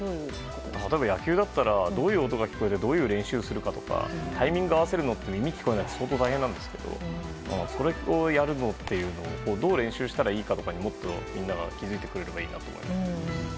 例えば野球だったらどういう音が聞こえてどういう練習をするかタイミングを合わせるのって耳が聞こえないと相当大変なんですけどそれをやるのにどう練習したらいいのかっていうのにもっとみんなが気付いてくれたらいいなと思います。